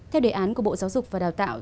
theo đề án của bộ giáo dục và đào tạo